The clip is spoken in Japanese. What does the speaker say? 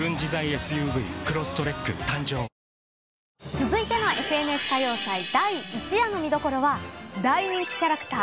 続いての『ＦＮＳ歌謡祭』第１夜の見どころは大人気キャラクター。